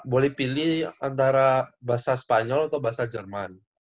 boleh pilih antara bahasa spanyol atau bahasa jerman